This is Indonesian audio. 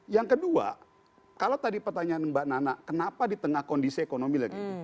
yang kedua kalau tadi pertanyaan mbak nana kenapa di tengah kondisi ekonomi lagi